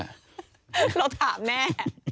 เราถามแม่